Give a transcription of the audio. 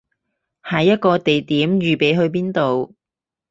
下一個地點預備去邊度